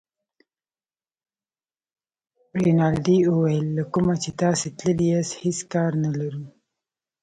رینالډي وویل له کومه چې تاسي تللي یاست هېڅ کار نه لرو.